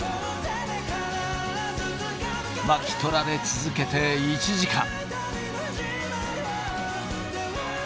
巻き取られ続けて１時間。